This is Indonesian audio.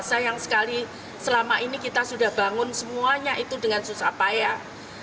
sayang sekali selama ini kita sudah bangun semuanya itu dengan susah payah